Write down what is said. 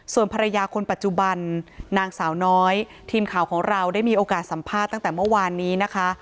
ส่วนภรรยาคนปัจจุบันนางสาวน้อยทีมข่าวของเราได้มีโอกาสสัมภาษณ์ตั้งแต่เมื่อวานนี้นะคะ